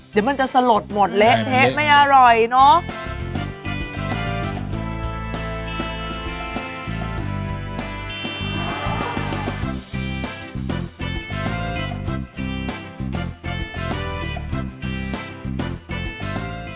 เดี๋ยวมันจะสลดหมดเละเทะไม่อร่อยเนาะ